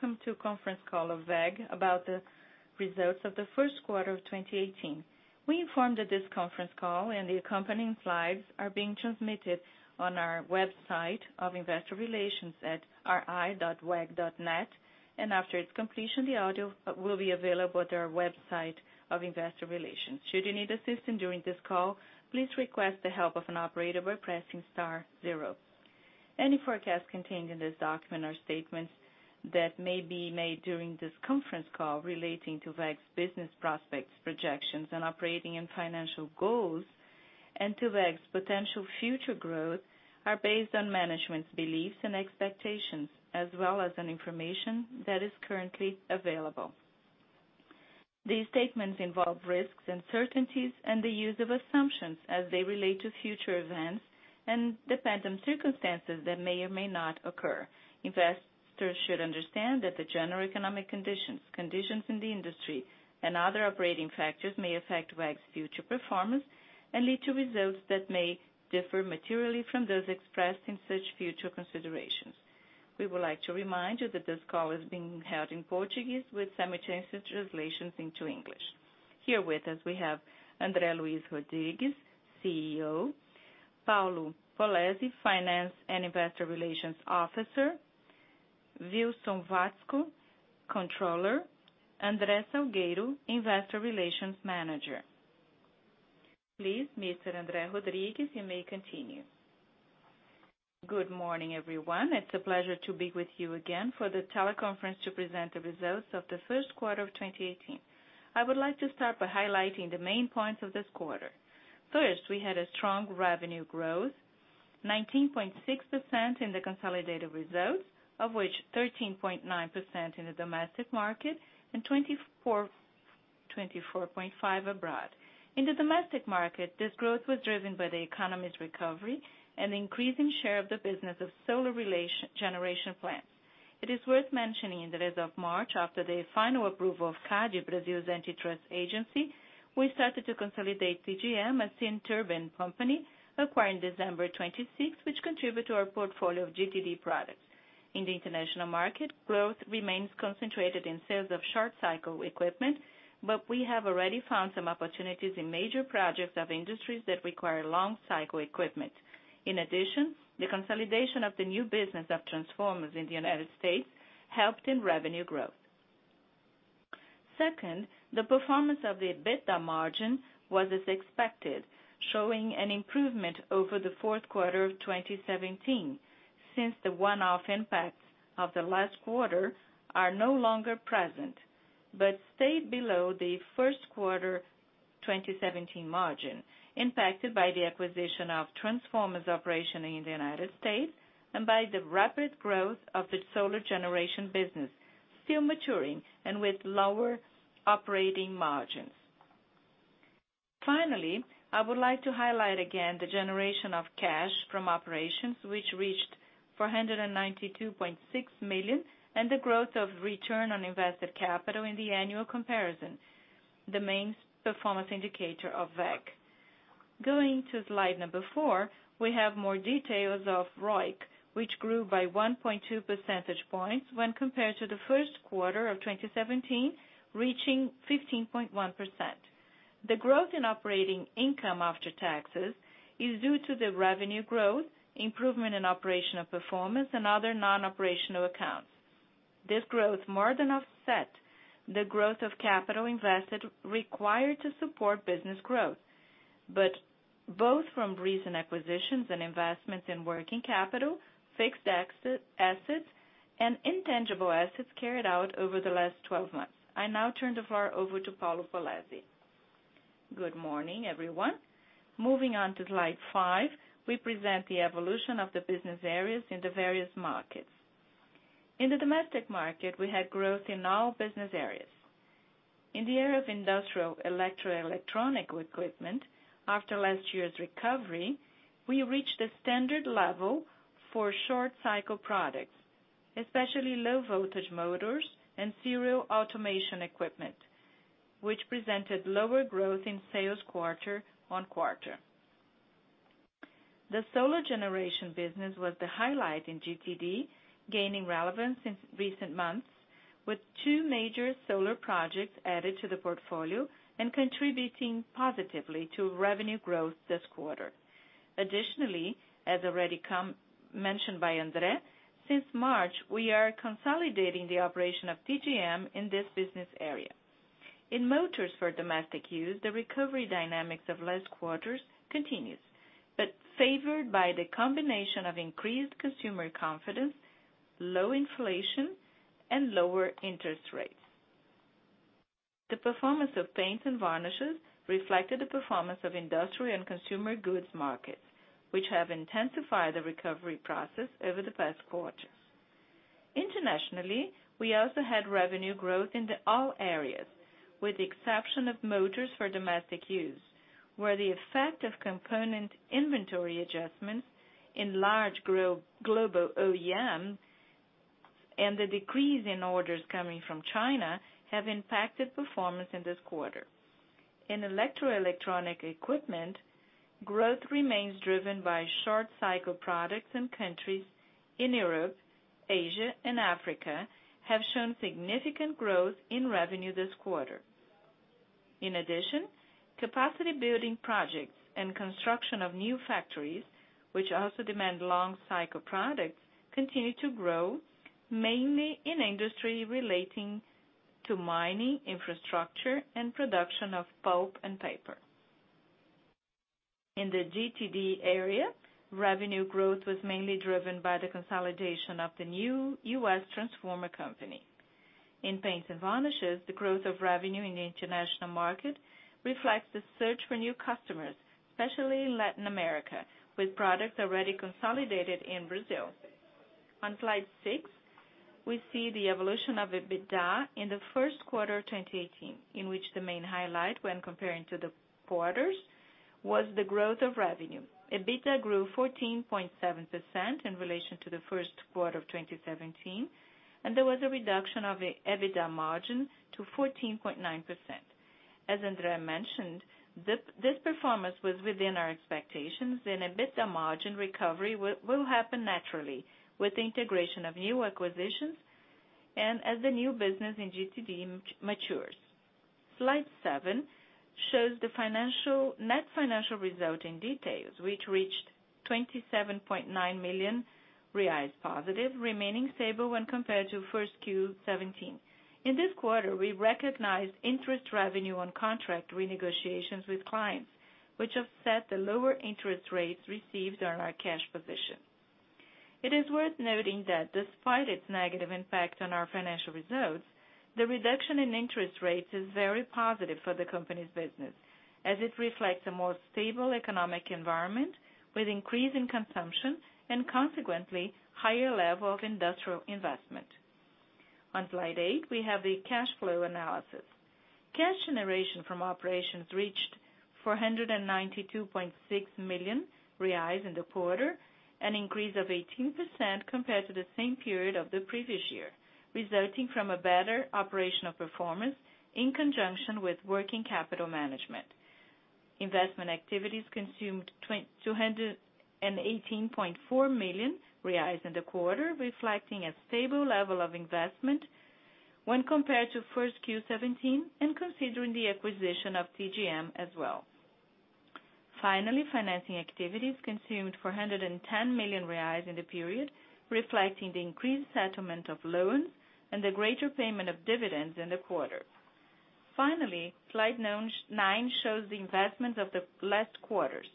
Welcome to conference call of WEG about the results of the first quarter of 2018. We inform that this conference call and the accompanying slides are being transmitted on our website of investor relations at ri.weg.net. After its completion, the audio will be available at our website of investor relations. Should you need assistance during this call, please request the help of an operator by pressing star zero. Any forecasts contained in this document are statements that may be made during this conference call relating to WEG's business prospects, projections, and operating and financial goals, and to WEG's potential future growth are based on management's beliefs and expectations as well as on information that is currently available. These statements involve risks, uncertainties, and the use of assumptions as they relate to future events and depend on circumstances that may or may not occur. Investors should understand that the general economic conditions in the industry, and other operating factors may affect WEG's future performance and lead to results that may differ materially from those expressed in such future considerations. We would like to remind you that this call is being held in Portuguese with simultaneous translations into English. Here with us, we have André Luís Rodrigues, CEO. Paulo Polezi, Finance and Investor Relations Officer. Wilson Watzko, Controller. André Salgueiro, Investor Relations Manager. Please, Mr. André Rodrigues, you may continue. Good morning, everyone. It's a pleasure to be with you again for the teleconference to present the results of the first quarter of 2018. I would like to start by highlighting the main points of this quarter. First, we had a strong revenue growth, 19.6% in the consolidated results, of which 13.9% in the domestic market and 24.5% abroad. In the domestic market, this growth was driven by the economy's recovery and the increasing share of the business of solar generation plants. It is worth mentioning that as of March, after the final approval of CADE, Brazil's antitrust agency, we started to consolidate TGM, a wind turbine company acquired December 26, which contribute to our portfolio of GTD products. In the international market, growth remains concentrated in sales of short cycle equipment, but we have already found some opportunities in major projects of industries that require long cycle equipment. In addition, the consolidation of the new business of transformers in the U.S. helped in revenue growth. Second, the performance of the EBITDA margin was as expected, showing an improvement over the fourth quarter of 2017, since the one-off impacts of the last quarter are no longer present, but stayed below the first quarter 2017 margin, impacted by the acquisition of transformers operation in the U.S. and by the rapid growth of the solar generation business, still maturing and with lower operating margins. Finally, I would like to highlight again the generation of cash from operations, which reached 492.6 million, and the growth of return on invested capital in the annual comparison, the main performance indicator of WEG. Going to slide number 4, we have more details of ROIC, which grew by 1.2 percentage points when compared to the first quarter of 2017, reaching 15.1%. The growth in operating income after taxes is due to the revenue growth, improvement in operational performance, and other non-operational accounts. This growth more than offset the growth of capital invested required to support business growth, but both from recent acquisitions and investments in working capital, fixed assets, and intangible assets carried out over the last 12 months. I now turn the floor over to Paulo Polezi. Good morning, everyone. Moving on to slide five, we present the evolution of the business areas in the various markets. In the domestic market, we had growth in all business areas. In the area of industrial electric electronic equipment, after last year's recovery, we reached a standard level for short-cycle products, especially low-voltage motors and serial automation equipment, which presented lower growth in sales quarter-on-quarter. The solar generation business was the highlight in GTD, gaining relevance in recent months, with two major solar projects added to the portfolio and contributing positively to revenue growth this quarter. Additionally, as already mentioned by André, since March, we are consolidating the operation of TGM in this business area. In motors for domestic use, the recovery dynamics of last quarters continues, but favored by the combination of increased consumer confidence, low inflation, and lower interest rates. The performance of paints and varnishes reflected the performance of industrial and consumer goods markets, which have intensified the recovery process over the past quarters. Internationally, we also had revenue growth into all areas, with the exception of motors for domestic use, where the effect of component inventory adjustments in large global OEM and the decrease in orders coming from China have impacted performance in this quarter. In electro electronic equipment, growth remains driven by short-cycle products and countries in Europe, Asia, and Africa have shown significant growth in revenue this quarter. In addition, capacity building projects and construction of new factories, which also demand long-cycle products, continue to grow, mainly in industry relating to mining, infrastructure, and production of pulp and paper. In the GTD area, revenue growth was mainly driven by the consolidation of the new U.S. transformer company. In paints and varnishes, the growth of revenue in the international market reflects the search for new customers, especially Latin America, with products already consolidated in Brazil. On slide six, we see the evolution of EBITDA in the first quarter of 2018, in which the main highlight when comparing to the quarters was the growth of revenue. EBITDA grew 14.7% in relation to the first quarter of 2017, and there was a reduction of the EBITDA margin to 14.9%. As André mentioned, this performance was within our expectations, and EBITDA margin recovery will happen naturally with the integration of new acquisitions and as the new business in GTD matures. Slide seven shows the net financial result in details, which reached 27.9 million reais positive, remaining stable when compared to first Q17. In this quarter, we recognized interest revenue on contract renegotiations with clients, which offset the lower interest rates received on our cash position. It is worth noting that despite its negative impact on our financial results, the reduction in interest rates is very positive for the company's business as it reflects a more stable economic environment with increase in consumption and consequently higher level of industrial investment. On slide eight, we have the cash flow analysis. Cash generation from operations reached 492.6 million reais in the quarter, an increase of 18% compared to the same period of the previous year, resulting from a better operational performance in conjunction with working capital management. Investment activities consumed 218.4 million reais in the quarter, reflecting a stable level of investment when compared to Q1 2017 and considering the acquisition of TGM as well. Finally, financing activities consumed 410 million reais in the period, reflecting the increased settlement of loans and the greater payment of dividends in the quarter. Finally, slide nine shows the investments of the last quarters.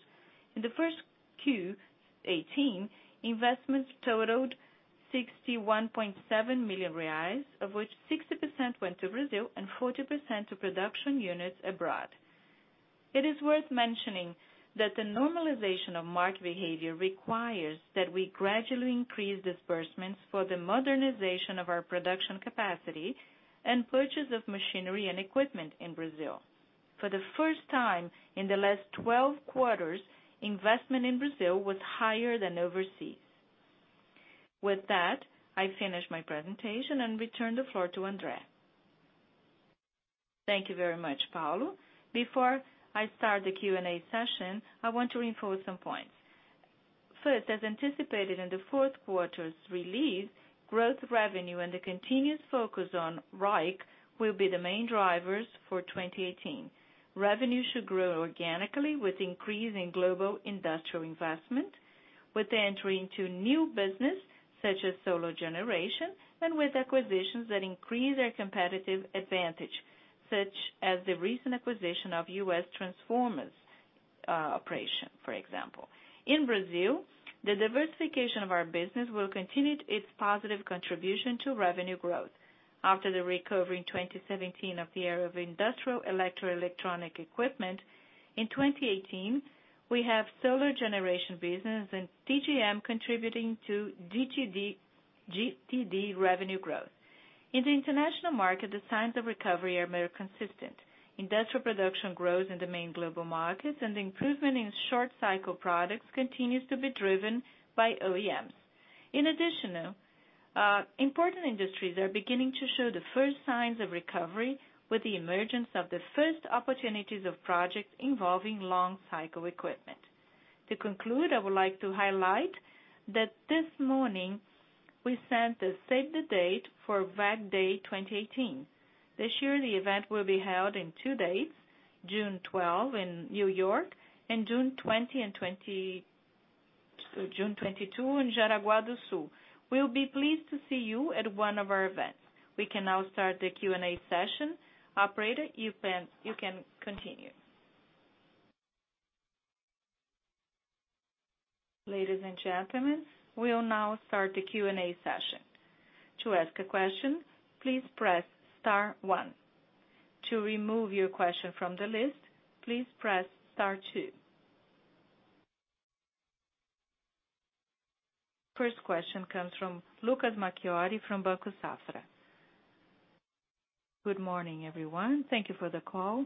In Q1 2018, investments totaled 61.7 million reais, of which 60% went to Brazil and 40% to production units abroad. It is worth mentioning that the normalization of market behavior requires that we gradually increase disbursements for the modernization of our production capacity and purchase of machinery and equipment in Brazil. For the first time in the last 12 quarters, investment in Brazil was higher than overseas. With that, I finish my presentation and return the floor to André. Thank you very much, Paulo. Before I start the Q&A session, I want to reinforce some points. First, as anticipated in the fourth quarter's release, growth revenue and the continuous focus on ROIC will be the main drivers for 2018. Revenue should grow organically with increase in global industrial investment, with the entry into new business such as solar generation, and with acquisitions that increase our competitive advantage, such as the recent acquisition of WEG Transformers USA, for example. In Brazil, the diversification of our business will continue its positive contribution to revenue growth. After the recovery in 2017 of the era of industrial electro electronic equipment, in 2018, we have solar generation business and TGM contributing to GTD revenue growth. In the international market, the signs of recovery are more consistent. Industrial production growth in the main global markets and the improvement in short cycle products continues to be driven by OEMs. In addition, important industries are beginning to show the first signs of recovery with the emergence of the first opportunities of projects involving long cycle equipment. To conclude, I would like to highlight that this morning we sent the save the date for WEG Day 2018. This year, the event will be held in two dates, June 12 in New York and June 20 and 22 in Jaraguá do Sul. We'll be pleased to see you at one of our events. We can now start the Q&A session. Operator, you can continue. Ladies and gentlemen, we will now start the Q&A session. To ask a question, please press star one. To remove your question from the list, please press star two. First question comes from Lucas Marquiori from Banco Safra. Good morning, everyone. Thank you for the call.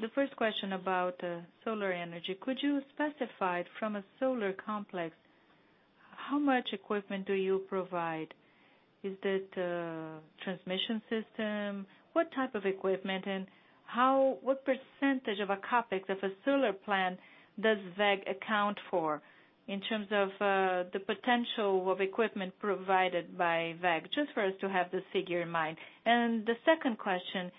The first question about solar energy. Could you specify from a solar complex, how much equipment do you provide? Is it a transmission system? What type of equipment, and what percentage of a CapEx of a solar plant does WEG account for in terms of the potential of equipment provided by WEG? Just for us to have the figure in mind. And the second question,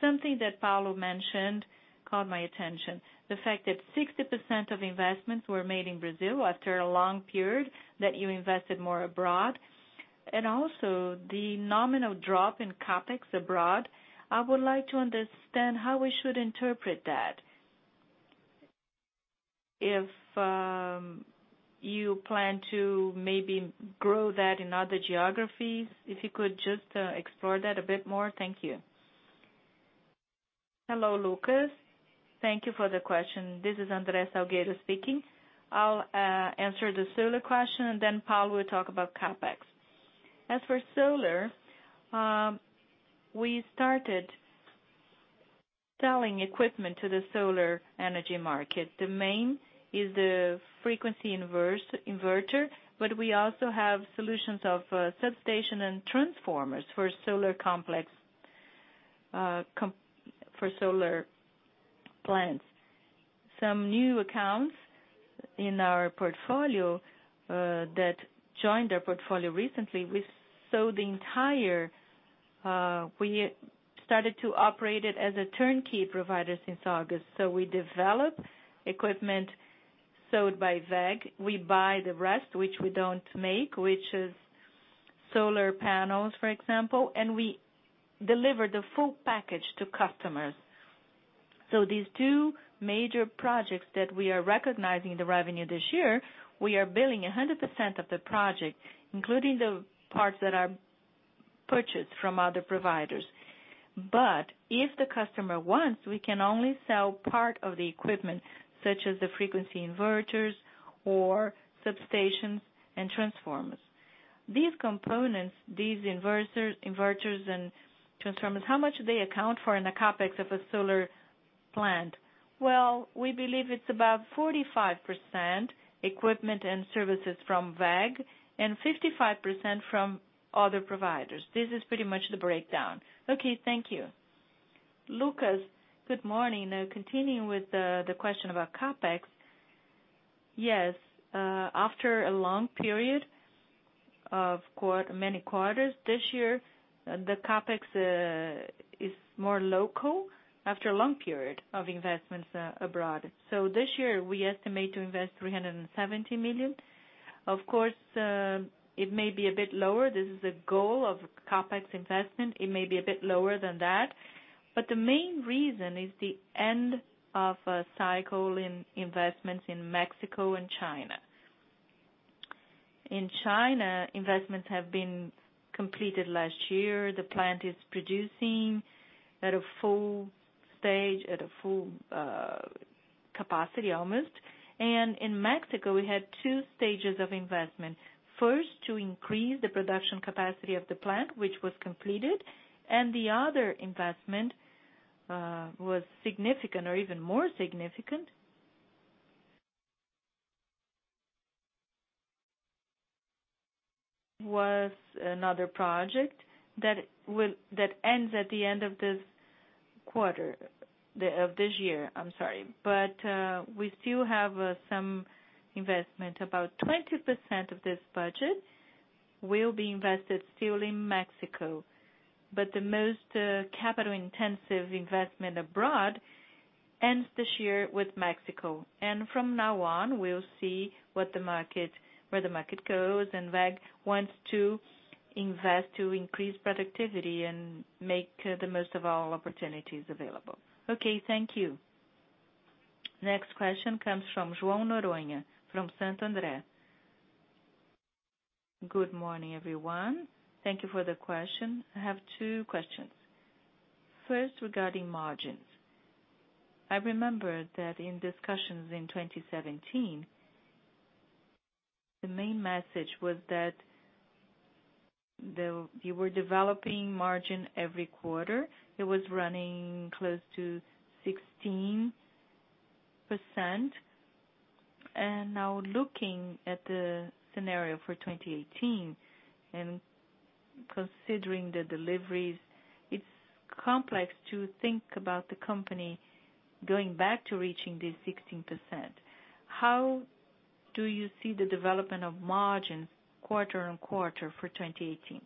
something that Paulo mentioned caught my attention. The fact that 60% of investments were made in Brazil after a long period that you invested more abroad, and also the nominal drop in CapEx abroad. I would like to understand how we should interpret that. If you plan to maybe grow that in other geographies. If you could just explore that a bit more. Thank you. Hello, Lucas. Thank you for the question. This is André Salgueiro speaking. I will answer the solar question, and then Paulo will talk about CapEx. As for solar, we started selling equipment to the solar energy market. The main is the frequency inverter, but we also have solutions of substation and transformers for solar plants. Some new accounts in our portfolio that joined our portfolio recently, we started to operate it as a turnkey provider since August. We develop equipment sold by WEG. We buy the rest, which we don't make, which is solar panels, for example, and we deliver the full package to customers. These two major projects that we are recognizing the revenue this year, we are billing 100% of the project, including the parts that are purchased from other providers. If the customer wants, we can only sell part of the equipment, such as the frequency inverters or substations and transformers. These components, these inverters and transformers, how much do they account for in the CapEx of a solar plant? Well, we believe it is about 45% equipment and services from WEG and 55% from other providers. This is pretty much the breakdown. Okay. Thank you. Lucas, good morning. Now continuing with the question about CapEx. Yes. After a long period of many quarters, this year, the CapEx is more local after a long period of investments abroad. This year, we estimate to invest 370 million. Of course, it may be a bit lower. This is a goal of CapEx investment. It may be a bit lower than that, but the main reason is the end of a cycle in investments in Mexico and China. In China, investments have been completed last year. The plant is producing at a full stage, at a full capacity almost. In Mexico, we had 2 stages of investment. First, to increase the production capacity of the plant, which was completed, and the other investment was significant or even more significant, was another project that ends at the end of this year. We still have some investment. About 20% of this budget will be invested still in Mexico, but the most capital-intensive investment abroad ends this year with Mexico. From now on, we will see where the market goes, and WEG wants to invest to increase productivity and make the most of all opportunities available. Okay. Thank you. Next question comes from João Noronha from Santander. Good morning, everyone. Thank you for the question. I have two questions. First, regarding margins. I remember that in discussions in 2017, the main message was that you were developing margin every quarter. It was running close to 16%. Now looking at the scenario for 2018, and considering the deliveries, it is complex to think about the company going back to reaching this 16%. How do you see the development of margin quarter and quarter for 2018?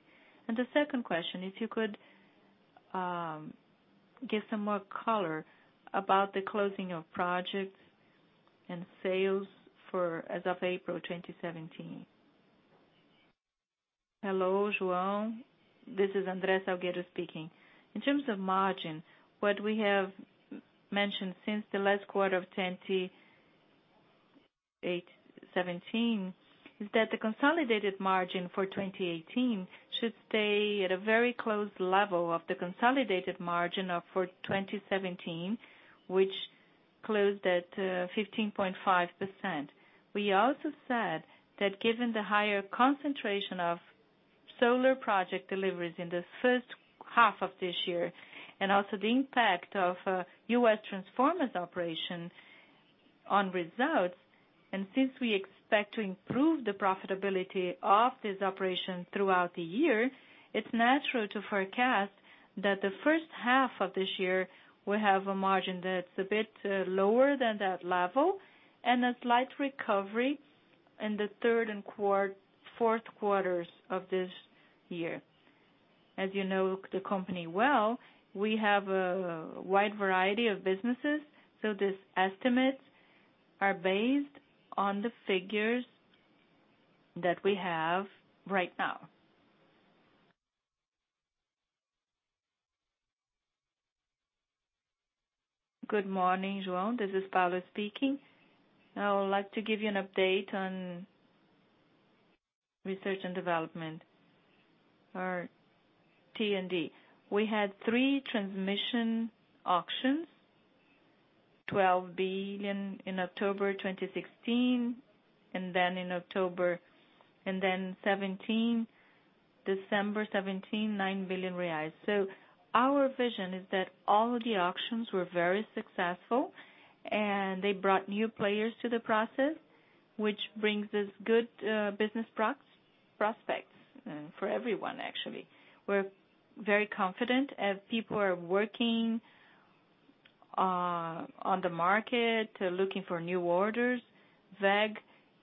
The second question, if you could give some more color about the closing of projects and sales as of April 2017. Hello, João. This is André Salgueiro speaking. In terms of margin, what we have mentioned since the last quarter of 2017 is that the consolidated margin for 2018 should stay at a very close level of the consolidated margin for 2017, which closed at 15.5%. We also said that given the higher concentration of solar project deliveries in the first half of this year, and also the impact of WEG Transformers USA operation on results. Since we expect to improve the profitability of this operation throughout the year, it's natural to forecast that the first half of this year will have a margin that's a bit lower than that level, and a slight recovery in the third and fourth quarters of this year. As you know the company well, we have a wide variety of businesses, so these estimates are based on the figures that we have right now. Good morning, João. This is Paulo Polezi speaking. I would like to give you an update on research and development, or T&D. We had three transmission auctions, 12 billion in October 2016. Then in October, and then December 2017, 9 billion reais. Our vision is that all of the auctions were very successful, and they brought new players to the process, which brings us good business prospects for everyone, actually. We're very confident as people are working on the market, looking for new orders. WEG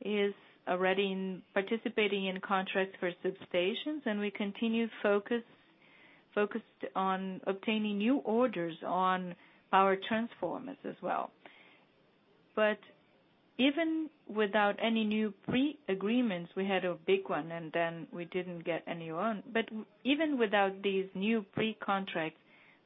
is already participating in contracts for substations, and we continue focused on obtaining new orders on power transformers as well. Even without any new pre-agreements, we had a big one, and then we didn't get any on. Even without these new pre-contracts,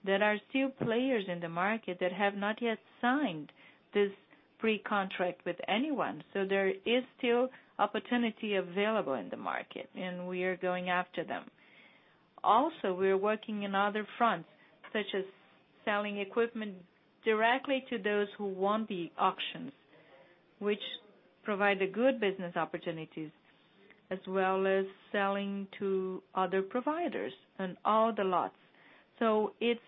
there are still players in the market that have not yet signed this pre-contract with anyone. There is still opportunity available in the market, and we are going after them. We are working in other fronts, such as selling equipment directly to those who won the auctions, which provide good business opportunities, as well as selling to other providers and all the lots. It's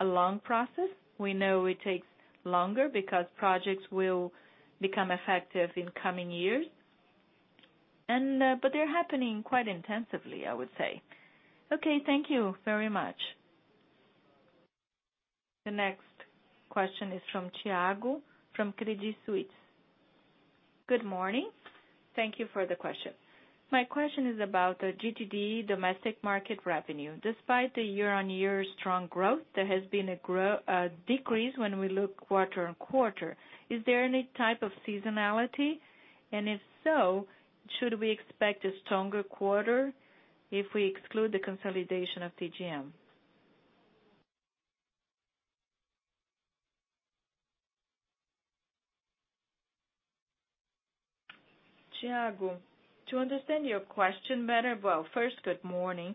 a long process. We know it takes longer because projects will become effective in coming years. They're happening quite intensively, I would say. Okay, thank you very much. The next question is from Thiago from Credit Suisse. Good morning. Thank you for the question. My question is about the GTD domestic market revenue. Despite the year-on-year strong growth, there has been a decrease when we look quarter-on-quarter. Is there any type of seasonality? If so, should we expect a stronger quarter if we exclude the consolidation of TGM? Thiago, to understand your question better, well, first, good morning.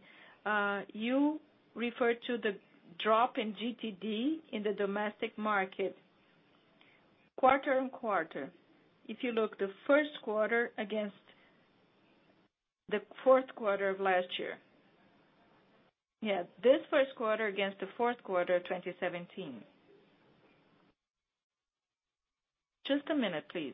You referred to the drop in GTD in the domestic market quarter-on-quarter. If you look the first quarter against the fourth quarter of last year. Yes. This first quarter against the fourth quarter of 2017. Just a minute, please.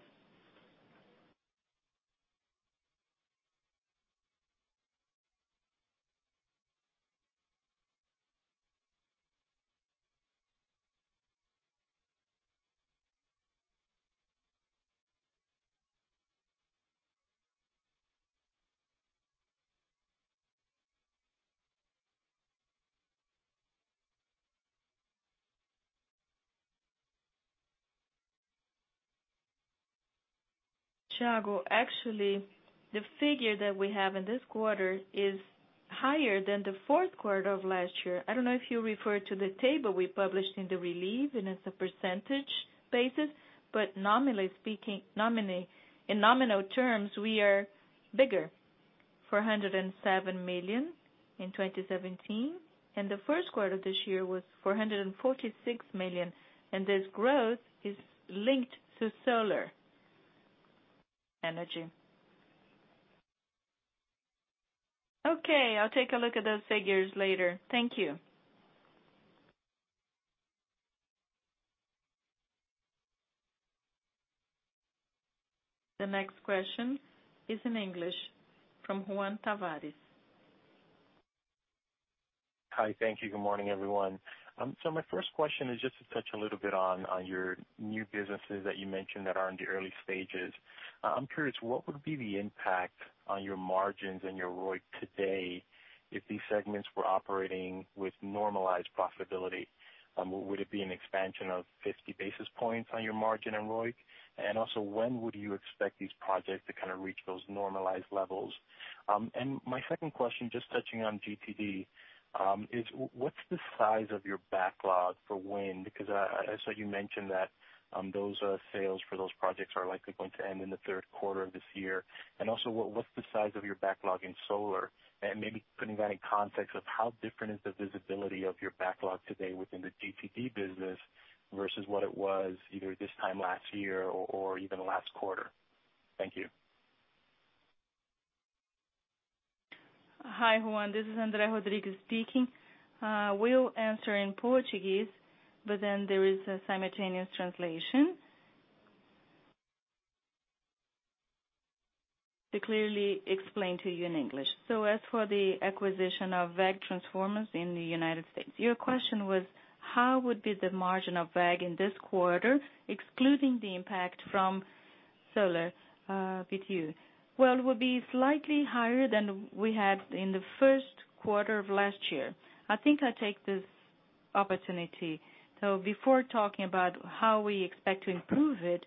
Thiago, actually, the figure that we have in this quarter is higher than the fourth quarter of last year. I don't know if you referred to the table we published in the release, and it's a percentage basis, but in nominal terms, we are bigger, 407 million in 2017, and the first quarter of this year was 446 million, and this growth is linked to solar energy. Okay, I'll take a look at those figures later. Thank you. The next question is in English from Juan Tavares. Hi. Thank you. Good morning, everyone. My first question is just to touch a little bit on your new businesses that you mentioned that are in the early stages. I'm curious, what would be the impact on your margins and your ROIC today if these segments were operating with normalized profitability? Would it be an expansion of 50 basis points on your margin and ROIC? When would you expect these projects to kind of reach those normalized levels? My second question, just touching on GTD, is what's the size of your backlog for wind? I saw you mentioned that those sales for those projects are likely going to end in the third quarter of this year. What's the size of your backlog in solar? Maybe putting that in context of how different is the visibility of your backlog today within the GTD business versus what it was either this time last year or even last quarter. Thank you. Hi, Juan. This is André Luís Rodrigues speaking. We'll answer in Portuguese, there is a simultaneous translation to clearly explain to you in English. As for the acquisition of WEG Transformers in the U.S., your question was how would be the margin of WEG in this quarter, excluding the impact from solar BTU? Well, it would be slightly higher than we had in the first quarter of last year. I think I take this opportunity. Before talking about how we expect to improve it,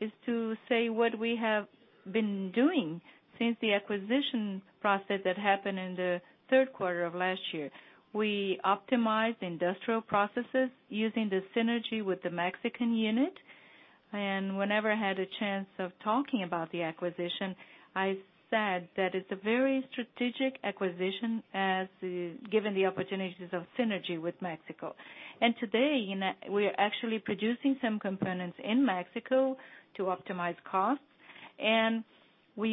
is to say what we have been doing since the acquisition process that happened in the third quarter of last year. We optimized industrial processes using the synergy with the Mexican unit, whenever I had a chance of talking about the acquisition, I said that it's a very strategic acquisition given the opportunities of synergy with Mexico. We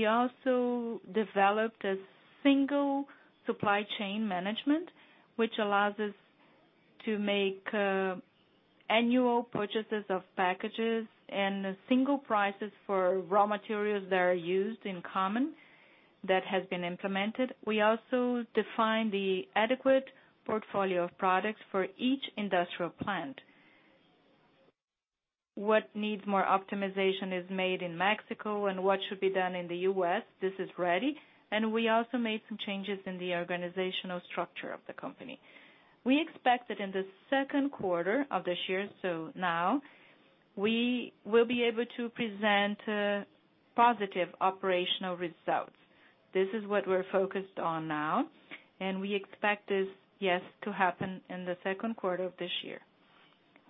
also developed a single supply chain management, which allows us to make annual purchases of packages and single prices for raw materials that are used in common. That has been implemented. We also define the adequate portfolio of products for each industrial plant. What needs more optimization is made in Mexico, what should be done in the U.S., this is ready, we also made some changes in the organizational structure of the company. We expect that in the second quarter of this year, we will be able to present positive operational results. This is what we're focused on now, we expect this, yes, to happen in the second quarter of this year.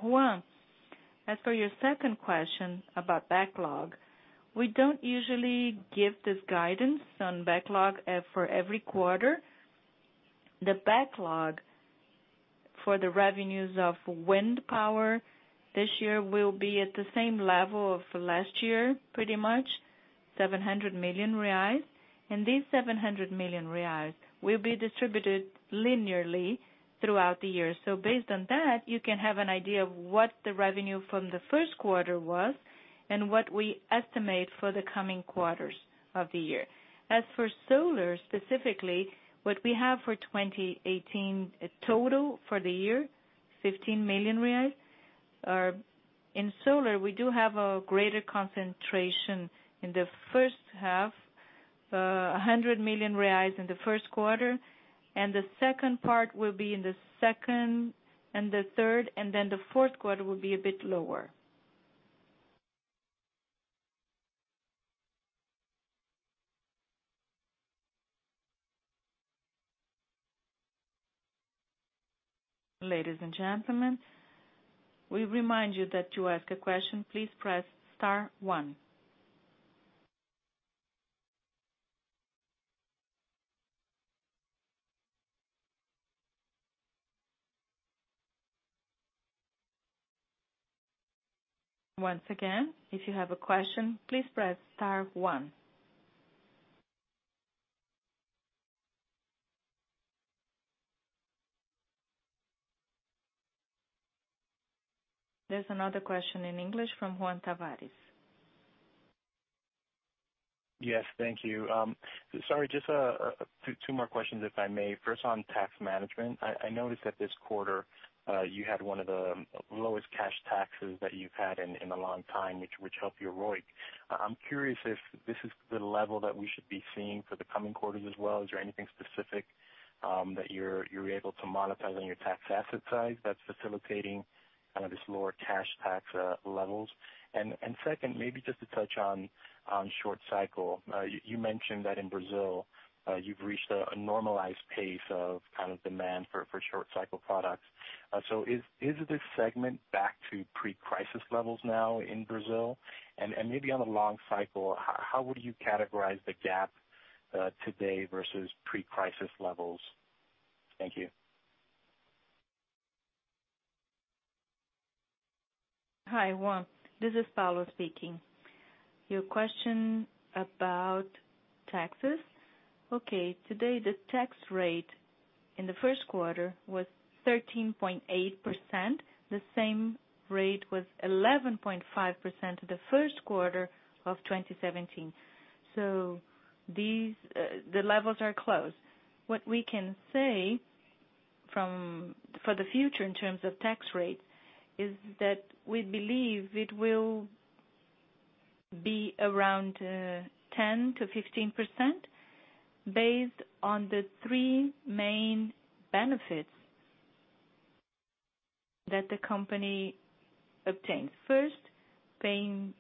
Juan, as for your second question about backlog, we don't usually give this guidance on backlog for every quarter. The backlog for the revenues of wind power this year will be at the same level of last year, pretty much 700 million reais. These 700 million reais will be distributed linearly throughout the year. Based on that, you can have an idea of what the revenue from the first quarter was and what we estimate for the coming quarters of the year. As for solar, specifically, what we have for 2018 total for the year, 500 million reais. In solar, we do have a greater concentration in the first half, 100 million reais in the first quarter, and the second part will be in the second and the third, and then the fourth quarter will be a bit lower. Ladies and gentlemen, we remind you that to ask a question, please press star one. Once again, if you have a question, please press star one. There's another question in English from Juan Tavares. Yes. Thank you. Sorry, just two more questions, if I may. First, on tax management, I noticed that this quarter, you had one of the lowest cash taxes that you've had in a long time, which helped your ROIC. I'm curious if this is the level that we should be seeing for the coming quarters as well. Is there anything specific that you're able to monetize on your tax asset side that's facilitating this lower cash tax levels? Second, maybe just to touch on short cycle. You mentioned that in Brazil, you've reached a normalized pace of demand for short cycle products. Is this segment back to pre-crisis levels now in Brazil? Maybe on the long cycle, how would you categorize the gap today versus pre-crisis levels? Thank you. Hi, Juan. This is Paulo speaking. Your question about taxes. Okay. Today, the tax rate in the first quarter was 13.8%. The same rate was 11.5% in the first quarter of 2017. The levels are close. What we can say for the future in terms of tax rate is that we believe it will be around 10%-15%, based on the three main benefits that the company obtains. First, paying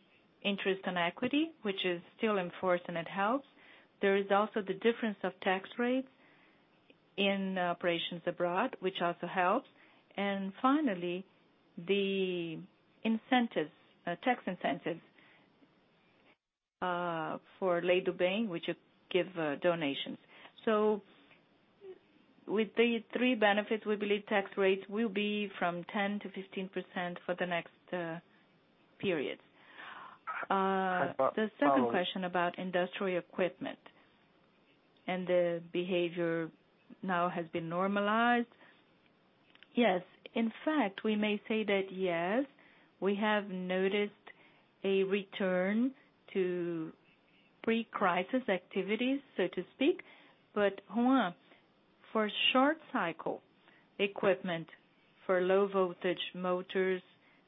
interest on equity, which is still in force, and it helps. There is also the difference of tax rates in operations abroad, which also helps. Finally, the tax incentives for Lei do Bem, which give donations. With these three benefits, we believe tax rates will be from 10%-15% for the next periods. The second question about industrial equipment, and the behavior now has been normalized. Yes. In fact, we may say that yes, we have noticed a return to pre-crisis activities, so to speak. Juan, for short cycle equipment, for low-voltage motors,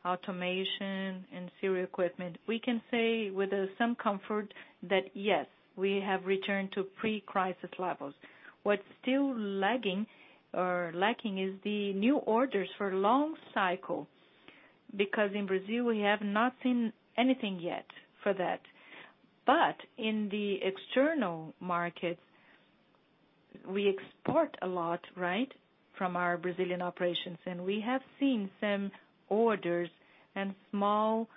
automation, and serial equipment, we can say with some comfort that yes, we have returned to pre-crisis levels. What's still lagging or lacking is the new orders for long cycle, because in Brazil we have not seen anything yet for that. In the external markets, we export a lot from our Brazilian operations, and we have seen some orders and small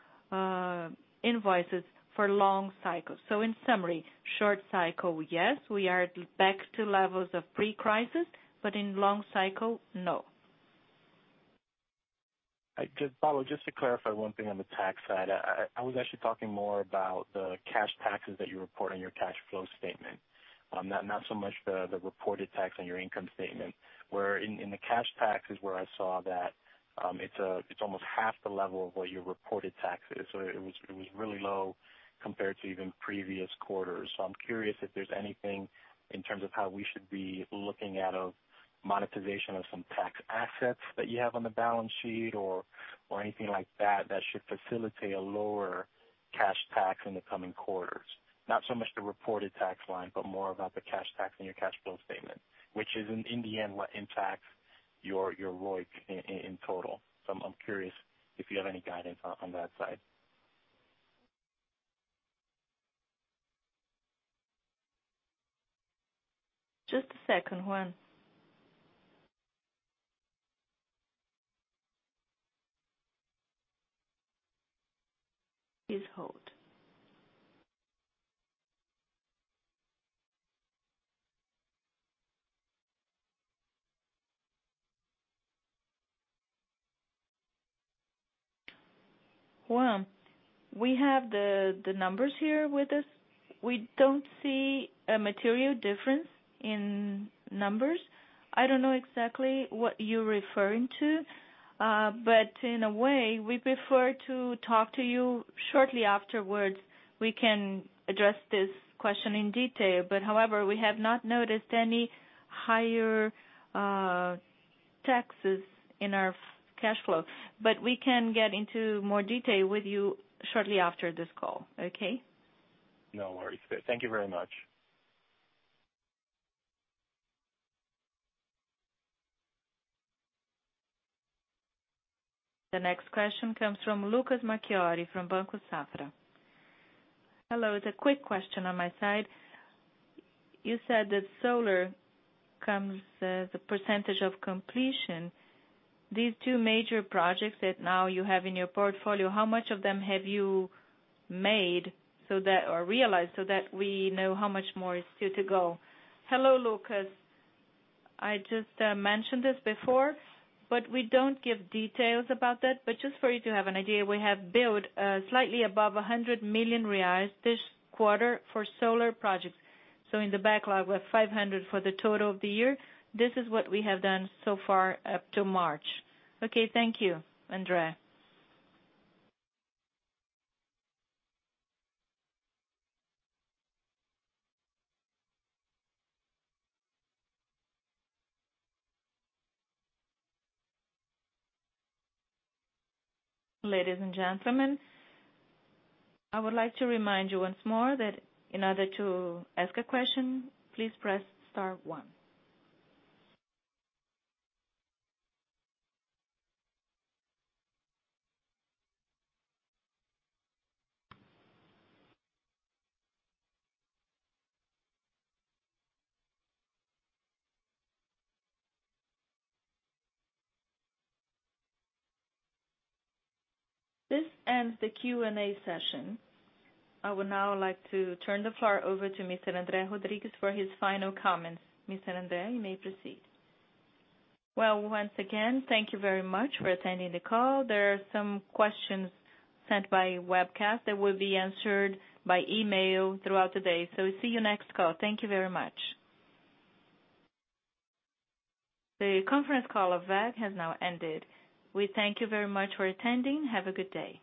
invoices for long cycles. In summary, short cycle, yes, we are back to levels of pre-crisis, but in long cycle, no. Paulo, just to clarify one thing on the tax side. I was actually talking more about the cash taxes that you report on your cash flow statement, not so much the reported tax on your income statement. Where in the cash taxes where I saw that it's almost half the level of what your reported tax is. It was really low compared to even previous quarters. I'm curious if there's anything in terms of how we should be looking at a monetization of some tax assets that you have on the balance sheet, or anything like that should facilitate a lower cash tax in the coming quarters. Not so much the reported tax line, but more about the cash tax on your cash flow statement, which is in the end, what impacts your ROIC in total. I'm curious if you have any guidance on that side. Just a second, Juan. Please hold. Juan, we have the numbers here with us. We don't see a material difference in numbers. I don't know exactly what you're referring to. In a way, we prefer to talk to you shortly afterwards. We can address this question in detail. However, we have not noticed any higher taxes in our cash flow. We can get into more detail with you shortly after this call. Okay? No worries. Thank you very much. The next question comes from Lucas Marquiori, from Banco Safra. Hello. The quick question on my side. You said that solar comes as a percentage of completion. These two major projects that now you have in your portfolio, how much of them have you made or realized so that we know how much more is still to go? Hello, Lucas. I just mentioned this before, but we don't give details about that. Just for you to have an idea, we have built slightly above 100 million reais this quarter for solar projects. In the backlog, we have 500 million BRL for the total of the year. This is what we have done so far up to March. Okay. Thank you, André. Ladies and gentlemen, I would like to remind you once more that in order to ask a question, please press star one. This ends the Q&A session. I would now like to turn the floor over to Mr. André Rodrigues for his final comments. Mr. André, you may proceed. Well, once again, thank you very much for attending the call. There are some questions sent by webcast that will be answered by email throughout the day. We'll see you next call. Thank you very much. The conference call of WEG has now ended. We thank you very much for attending. Have a good day.